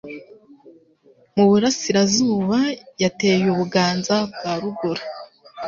Mu burasirazuba yateye u Buganza bwa Ruguru